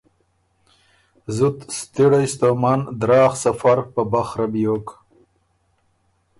زُت ستِړئ ستومن دراغ سفر په بخره بیوک۔